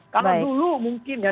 kalau dulu mungkin ya